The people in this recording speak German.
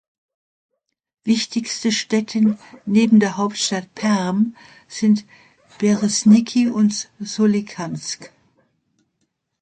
Wichtigste Städte neben der Hauptstadt Perm sind Beresniki und Solikamsk.